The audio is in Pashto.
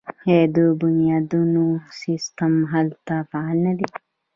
آیا د بنیادونو سیستم هلته فعال نه دی؟